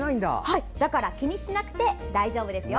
だから気にしなくて大丈夫ですよ。